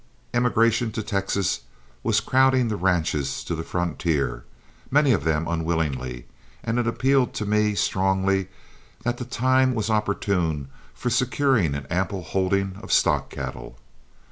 Emigration to Texas was crowding the ranches to the frontier, many of them unwillingly, and it appealed to me strongly that the time was opportune for securing an ample holding of stock cattle.